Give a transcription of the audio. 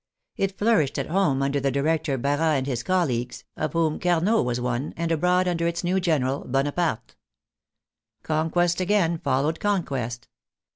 It flourished at home under the director Barras and his colleagues, of whom Carnot was one, and abroad under its new general, Bonaparte. Con quest again followed conquest.